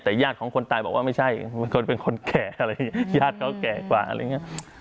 แต่ญาติของคนตายบอกว่าไม่ใช่เป็นคนเป็นคนแก่อะไรอย่างนี้ญาติเขาแก่กว่าอะไรอย่างนี้